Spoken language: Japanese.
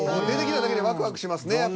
出てきただけでワクワクしますね。